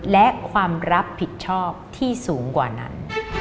และความรับผิดชอบที่สูงกว่านั้น